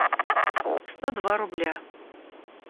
сто два рубля